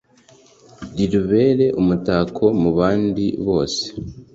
Rirubere umutako mu bandi bose